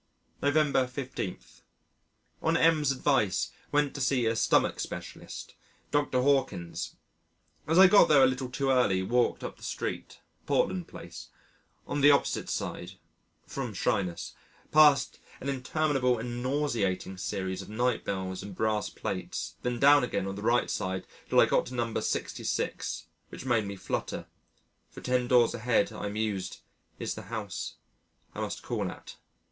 November 15. On M 's advice went to see a stomach specialist Dr. Hawkins. As I got there a little too early walked up the street Portland Place on the opposite side (from shyness) past an interminable and nauseating series of night bells and brass plates, then down again on the right side till I got to No. 66 which made me flutter for ten doors ahead I mused is the house I must call at.